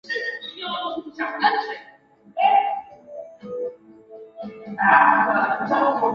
生态系统只是环境系统中的一个部分。